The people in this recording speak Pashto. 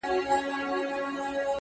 يوه ورځ وو د سرکار دام ته لوېدلى؛